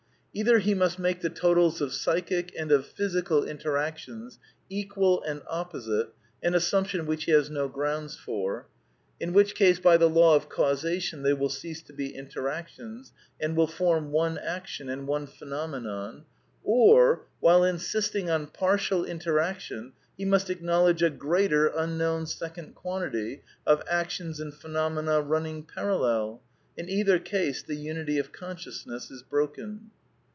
Either SOME QUESTIONS OF METAPHYSICS 115 he must make the totals of psychic and of physical interac tions equal and opposite, an assumption which he has no grounds for; in which case, by the law of causation, they will cease to be interactions, and will form one action and one phenomenon; or. while insisting on partial interac tion, he must acknowledge a greater unknown second quan tity of actions and phenomena running parallel. In either case the unity of consciousness is broken.